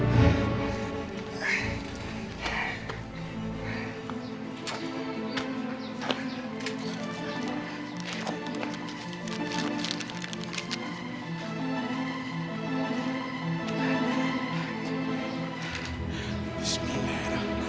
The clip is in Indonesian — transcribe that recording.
terima kasih bu